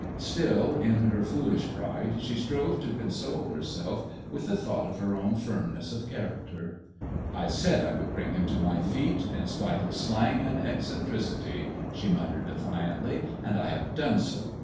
Still, in her foolish pride she strove to console herself with the thought of her own firmness of character. " I said I would bring him to my feet in spite of slang and eccentricity," she muttered, defiantly; "and I have done so